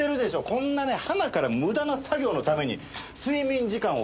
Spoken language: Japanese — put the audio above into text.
こんなねはなから無駄な作業のために睡眠時間を削られて。